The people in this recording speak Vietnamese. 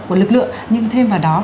của lực lượng nhưng thêm vào đó